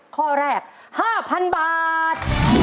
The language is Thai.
ข้อแรก๕๐๐๐บาท